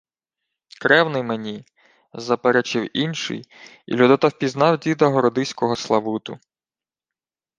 — Кревний мені, — заперечив інший, і Людота впізнав діда городиського Славуту.